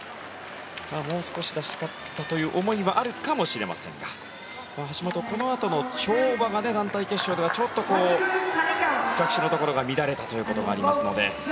もう少し出したかったという思いはあるかもしれませんが橋本、このあとの跳馬が団体決勝ではちょっと着地のところが乱れたというところがありますので。